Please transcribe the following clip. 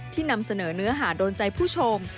นำเสนอเนื้อหาโดนใจผู้ชม